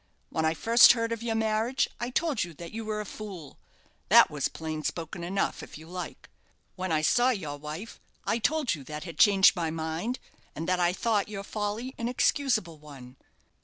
When I first heard of your marriage, I told you that you were a fool. That was plain spoken enough, if you like. When I saw your wife, I told you that had changed my mind, and that I thought your folly an excusable one.